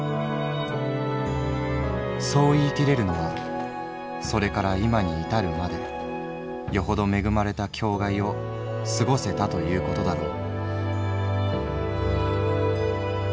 「そう言いきれるのはそれから今に至るまでよほど恵まれた境涯を過ごせたということだろう」。